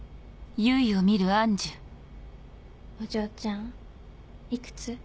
お嬢ちゃんいくつ？